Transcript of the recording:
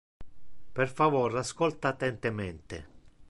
Per favor ascolta attentemente.